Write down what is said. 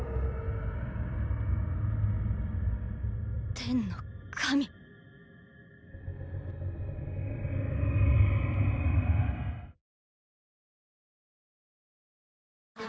天の神。掛